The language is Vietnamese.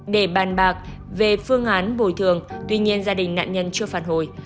để bàn bạc về phương án bồi thường tuy nhiên gia đình nạn nhân chưa phản hồi